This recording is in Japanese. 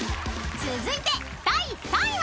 ［続いて第３位は！？］